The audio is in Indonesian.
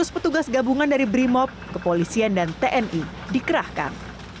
dua ratus petugas gabungan dari brimop kepolisian dan tni dikerahkan